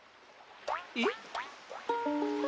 えっ？